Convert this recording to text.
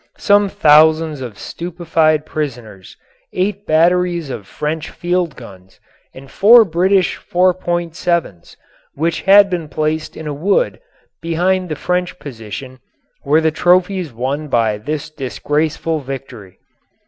Some thousands of stupefied prisoners, eight batteries of French field guns, and four British 4.7's, which had been placed in a wood behind the French position, were the trophies won by this disgraceful victory.